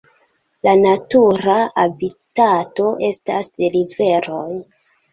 La natura habitato estas riveroj.